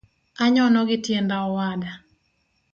Anyono gi tienda owada